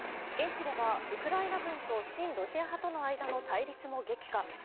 現地ではウクライナ軍と親ロシア派との対立も激化。